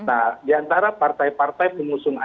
nah diantara partai partai pengusungan